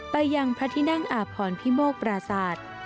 ไปยังพระที่นั่งอาพรพิโมกปราศาสตร์